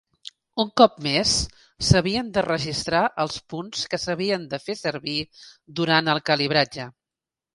Un cop més, s'havien de registrar els punts que s'havien de fer servir durant el calibratge .